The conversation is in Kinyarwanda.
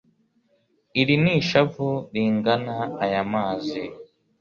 iri ni ishavu ringana aya mazi